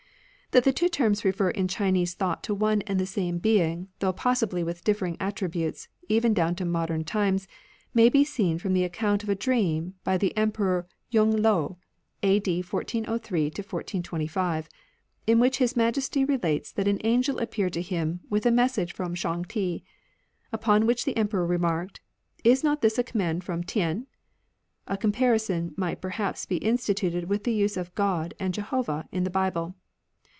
The two That the two terms refer in Chinese Terms are thought to one and the same Be ^"*' ing, though possibly with diflfering attributes, even down to modem times, may be seen from the account of a dream by the Emperor Yung Lo, a.p. 1403 1426, in which His Majesty relates that an angel appeared to him, with a message from Shang Ti ; upon which the Emperor remarked, " Is not this a command from THen ?" A comparison might perhaps be instituted with the use of " God " and " Jeho vah " in the Bible.